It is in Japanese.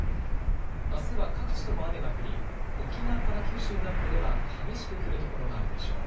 あすは各地とも雨が降り沖縄から九州南部では激しく降る所もあるでしょう。